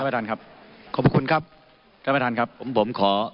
ประธานครับขอบคุณครับท่านประธานครับผมผมขอ